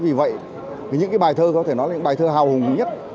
vì vậy những bài thơ có thể nói là những bài thơ hào hùng nhất